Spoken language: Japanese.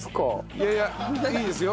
いやいやいいですよ。